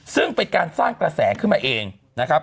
ซึ่งเป็นการสร้างกระแสขึ้นมาเองนะครับ